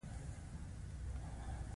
هغه خلک مطالعې ته هڅول.